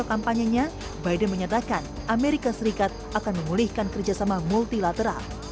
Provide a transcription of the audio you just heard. kita harus berhenti melakukan penyelidikan kita sebagai musuh kita